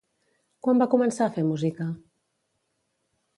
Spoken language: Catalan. Quan va començar a fer música?